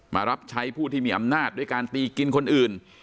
รับใช้ผู้ที่มีอำนาจด้วยการตีกินคนอื่น